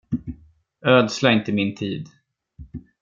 Ödsla inte min tid.